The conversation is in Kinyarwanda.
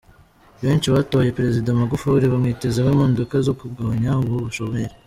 Benshi batoye Perezida Magufuli bamwitezeho impinduka zo kugabanya ubu bushomeri.